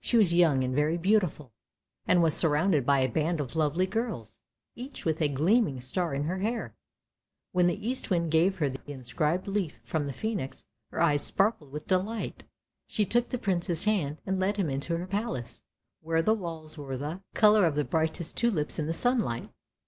She was young and very beautiful, and was surrounded by a band of lovely girls, each with a gleaming star in her hair. When the Eastwind gave her the inscribed leaf from the Phcenix her eyes sparkled with delight. She took the Prince's hand and led him into her palace, where the walls were the i66 ANDERSEN'S FAIRY TALES colour of the brightest tulips in the sunlight.